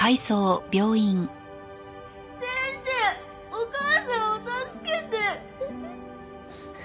先生お母さんを助けて！